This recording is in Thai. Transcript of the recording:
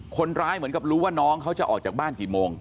เหมือนกับรู้ว่าน้องเขาจะออกจากบ้านกี่โมง